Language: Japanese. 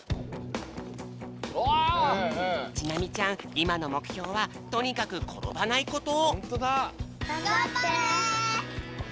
いまのもくひょうはとにかくころばないこと！